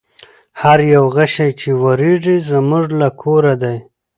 هر یو غشی چي واریږي زموږ له کور دی